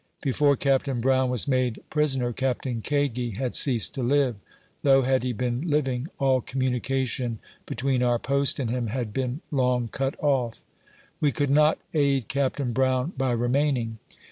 Before Captain Brown was made prison er, Captain Kagi had ceased to live, though had he been liv ing, all communication between our post and him had been long cut off. "We could not aid Captain Brown by remain ing.